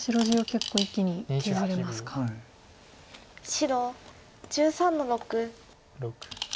白１３の六。